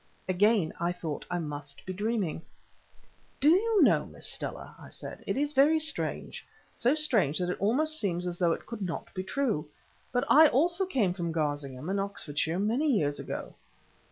Again I thought I must be dreaming. "Do you know, Miss Stella," I said, "it is very strange—so strange that it almost seems as though it could not be true—but I also came from Garsingham in Oxfordshire many years ago."